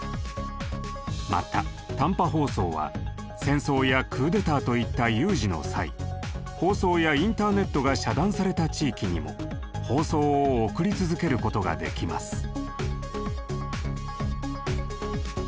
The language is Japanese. また短波放送は戦争やクーデターといった有事の際放送やインターネットが遮断された地域にも放送を送り続けることができます。